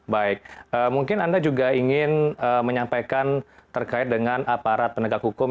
baik mungkin anda juga ingin menyampaikan terkait dengan aparat penegak hukum